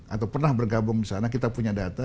atau pernah bergabung di sana kita punya data